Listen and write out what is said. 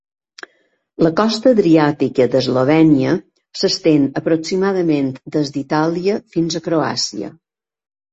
La costa adriàtica d'Eslovènia s'estén aproximadament des d'Itàlia fins a Croàcia.